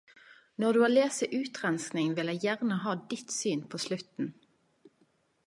Når du har lese Utrenskning vil eg gjerne ha ditt syn på slutten!!